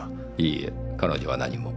いいえ彼女は何も。